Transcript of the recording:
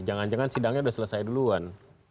jangan jangan sidangnya sudah selesai duluan